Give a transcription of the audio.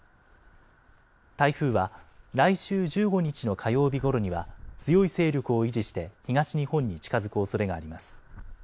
台風は、来週１５日の火曜日ごろには、強い勢力を維持して東日本に近づくおそれがあります。